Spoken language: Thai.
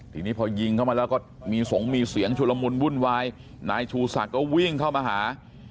ทีนี้พอยิงเข้ามาแล้วก็มีสงมีเสียงชุลมุนวุ่นวายนายชูศักดิ์ก็วิ่งเข้ามาหา